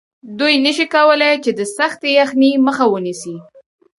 دوی نشي کولی چې د سختې یخنۍ مخه ونیسي